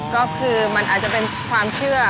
ก็คือมันอาจจะเป็นความเชื่อ